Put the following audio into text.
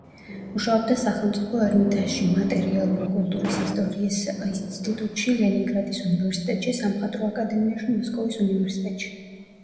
მუშაობდა სახელმწიფო ერმიტაჟში, მატერიალური კულტურის ისტორიის ინსტიტუტში, ლენინგრადის უნივერსიტეტში, სამხატვრო აკადემიაში, მოსკოვის უნივერსიტეტში.